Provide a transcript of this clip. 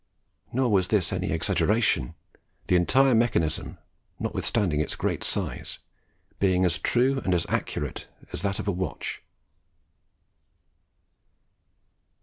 Nor was this any exaggeration the entire mechanism, notwithstanding its great size, being as true and accurate as that of a watch.